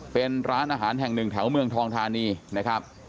เป็นร้านอาหารแห่งหนึ่งแถวเมืองทองทานีนะครับ